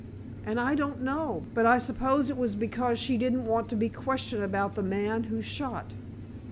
"And I don't know. But I suppose it was because she didn't want to be questioned about the man who shot."